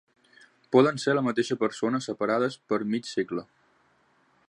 Poden ser la mateixa persona separades per mig segle.